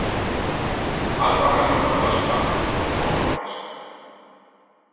As vacas locas las claman, pobronas!